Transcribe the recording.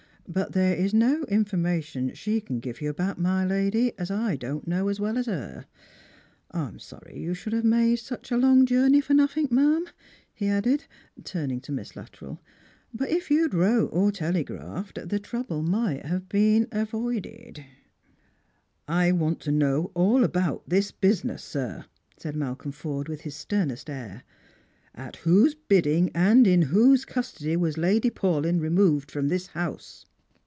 But there is no information she can give you about my lady as I don't know as well as her. I'm sorry you should have made such a long journey for nothink, ma'am," he added, turning to Miss Luttrell, " but if you'd wrote, or telegraphed, the trouble might have been avided." " I want toknow all about this business, sir," said Malcolm Forde with his sternest air. " At whose bidding and in whose custody was Lady Paulyn removed from this house?"